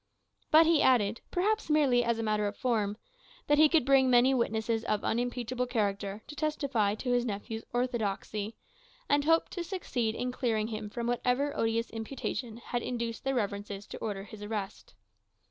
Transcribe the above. But he added (perhaps merely as a matter of form), that he could bring many witnesses of unimpeachable character to testify to his nephew's orthodoxy, and hoped to succeed in clearing him from whatever odious imputation had induced their Reverences to order his arrest.